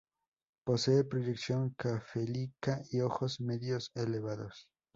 Posee proyección cefálica y ojos medios elevados.